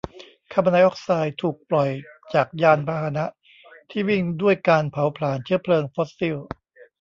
คาร์บอนไดออกไซด์ถูกปล่อยจากยานพาหนะที่วิ่งด้วยการเผาพลาญเชื้อเพลิงฟอสซิล